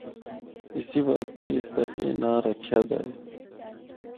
اسی واسطے اس دا اے ناں رکھیا دا ہے۔